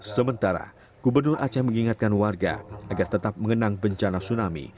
sementara gubernur aceh mengingatkan warga agar tetap mengenang bencana tsunami